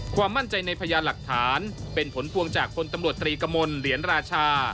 ความมั่นใจในพยานหลักฐานเป็นผลพวงจากพลตำรวจตรีกมลเหรียญราชา